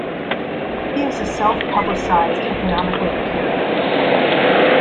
He is a self-publicized economic libertarian.